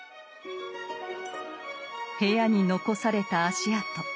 部屋に残された足跡。